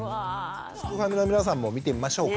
すくファミの皆さんも見てみましょうか。